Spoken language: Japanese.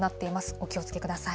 お気をつけください。